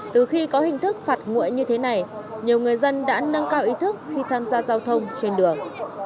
từ khi có hình thức phạt nguội như thế này nhiều người dân đã nâng cao ý thức khi tham gia giao thông trên đường